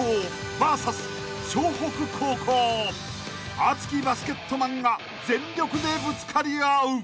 ［熱きバスケットマンが全力でぶつかり合う！］